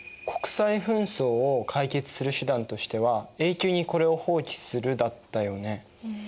「国際紛争を解決する手段としては永久にこれを放棄する」だったよね。